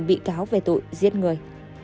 bị cáo về tội giết người